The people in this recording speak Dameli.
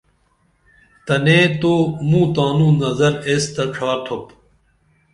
تنے تو موں تانوں نظر ایس تہ ڇھار تُھوپ